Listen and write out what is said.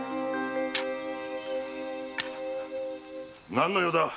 何の用だ？